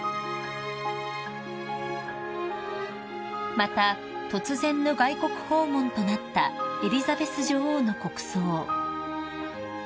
［また突然の外国訪問となったエリザベス女王の国葬］